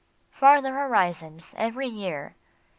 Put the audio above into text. " Farther horizons every year